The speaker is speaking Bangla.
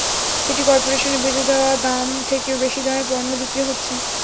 সিটি করপোরেশনের বেঁধে দেওয়া দাম থেকেও বেশি দামে পণ্য বিক্রি হচ্ছে।